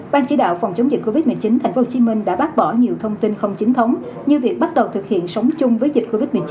ban chỉ đạo phòng chống dịch covid một mươi chín tp hcm đã bác bỏ nhiều thông tin không chính thống như việc bắt đầu thực hiện sống chung với dịch covid một mươi chín